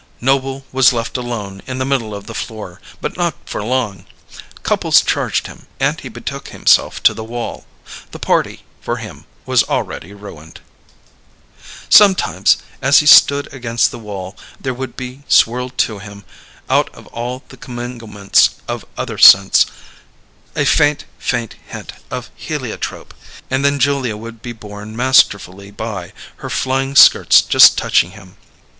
Noble was left alone in the middle of the floor, but not for long. Couples charged him, and he betook himself to the wall. The party, for him, was already ruined. Sometimes, as he stood against the wall, there would be swirled to him, out of all the comminglements of other scents, a faint, faint hint of heliotrope and then Julia would be borne masterfully by, her flying skirts just touching him.